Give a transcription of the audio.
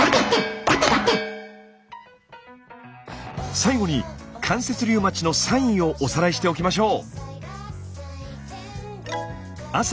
最後に関節リウマチのサインをおさらいしておきましょう。